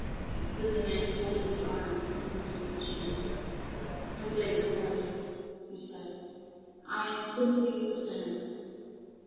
Then the man folded his arms and lifted his chin. "I beg your pardon," he said, "I am simply a sinner."